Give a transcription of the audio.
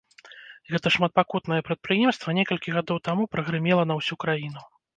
Гэта шматпакутнае прадпрыемства некалькі гадоў таму прагрымела на ўсю краіну.